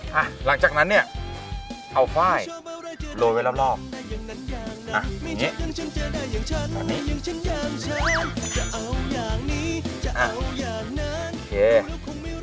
หลังจากนั้นเนี่ยเอาฟ่ายโรยไว้รอบอย่างนี้แล้วนี้